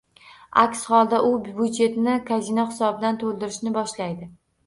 Aks holda, u byudjetni kazino hisobidan to'ldirishni boshlaydi